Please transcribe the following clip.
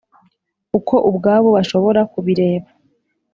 Uko ubwabo bashobora kubireba